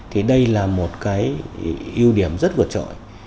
thì đây là một cái ưu điểm rất vượt trội